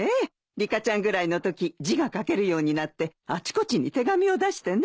リカちゃんぐらいのとき字が書けるようになってあちこちに手紙を出してね。